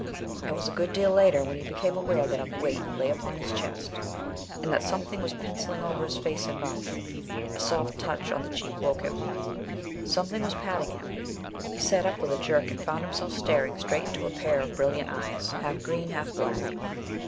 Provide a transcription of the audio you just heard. It was a good deal later when he became aware that a weight lay upon his chest, and that something was pencilling over his face and mouth. A soft touch on the cheek woke him. Something was patting him. He sat up with a jerk, and found himself staring straight into a pair of brilliant eyes, half green, half black.